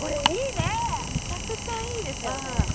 めちゃくちゃいいですよね